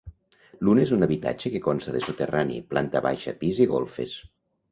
L'un és un habitatge que consta de soterrani, planta baixa, pis i golfes.